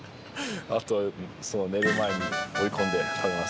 あと寝る前に追い込んで食べます。